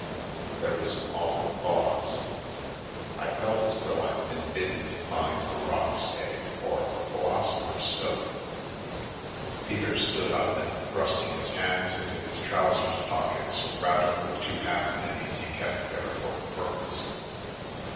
There was an awful pause. I felt as though I'd been bidden to find a roc's egg or the philosopher's stone. Peter stood up and, thrusting his hands into his trousers The Milky Way pockets, rattled the two halfpennies he kept there for the purpose.